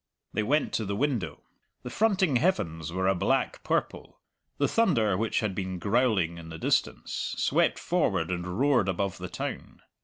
They went to the window. The fronting heavens were a black purple. The thunder, which had been growling in the distance, swept forward and roared above the town.